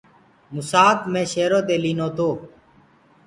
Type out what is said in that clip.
موسآڪ مي شيرو دي لينو تو۔